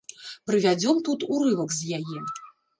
Прывядзём тут урывак з яе.